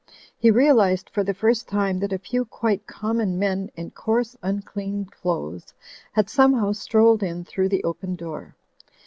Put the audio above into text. He realised for the first time that a few quite common men in coarse, imclean clothes, had somehow strolled in through the open door.